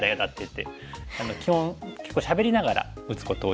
基本結構しゃべりながら打つこと多いですかね。